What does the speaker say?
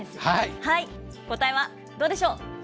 答えはどうでしょう？